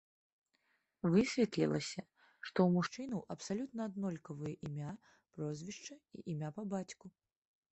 Высветлілася, што ў мужчынаў абсалютна аднолькавыя імя, прозвішча і імя па бацьку.